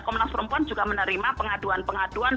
komnas perempuan juga menerima pengaduan pengaduan